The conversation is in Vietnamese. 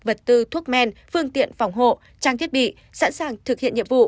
vật tư thuốc men phương tiện phòng hộ trang thiết bị sẵn sàng thực hiện nhiệm vụ